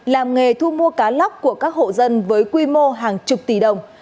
làm nghề thu mua cá lóc của các hộ dân với quy mô hàng chục tỷ đồng